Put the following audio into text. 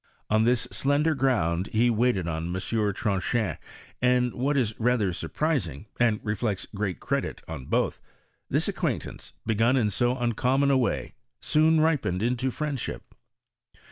On this slender ground he waited on M, Tronchin, and what is rather surprising, and reflects great credit on both, this acquaintance, begun in so uncommon a way, soon ripened into friendship.